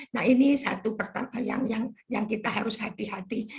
nah ini satu yang harus kita hati hati